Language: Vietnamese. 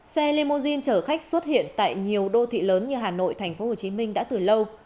xe limousine chở khách xuất hiện tại nhiều đô thị lớn như hà nội tp hcm đã từ lâu